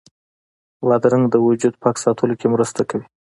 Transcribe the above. بادرنګ د وجود پاک ساتلو کې مرسته کوي.